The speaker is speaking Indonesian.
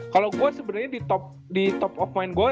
kalau gue sebenernya di top of mind gue